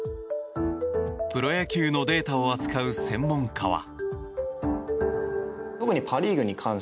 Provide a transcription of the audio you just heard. プロ野球のデータを扱う専門家は。